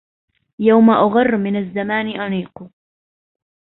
يوم أغر من الزمان أنيق